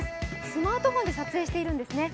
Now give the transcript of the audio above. スマートフォンで撮影しているんですね。